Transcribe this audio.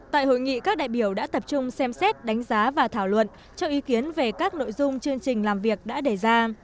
tại hội nghị các đại biểu đã tập trung xem xét đánh giá và thảo luận cho ý kiến về các nội dung chương trình làm việc đã đề ra